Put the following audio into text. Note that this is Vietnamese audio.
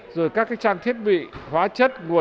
rồi các trang thiết bị hóa chất nguồn